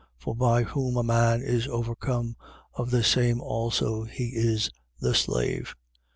For by whom a man is overcome, of the same also he is the slave.